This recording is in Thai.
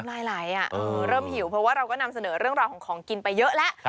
ลายไหลเริ่มหิวเพราะว่าเราก็นำเสนอเรื่องราวของของกินไปเยอะแล้ว